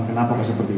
kenapa seperti itu